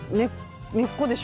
根っこでしょ？